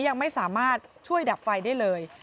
ยังไม่สามารถช่วยดับไฟได้เลย